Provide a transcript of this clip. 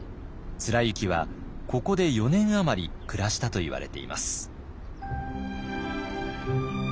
貫之はここで４年余り暮らしたといわれています。